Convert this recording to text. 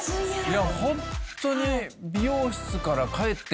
いやホントに。